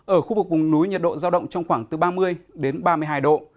ở khu vực vùng núi nhiệt độ giao động trong khoảng từ ba mươi đến ba mươi hai độ